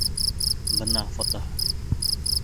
Бына фотоһы.